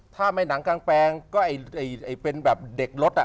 ถ้าไม่หนังกลางแปลงก็เป็นแบบเด็กรถ